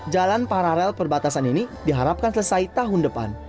jalan paralel perbatasan ini diharapkan selesai tahun depan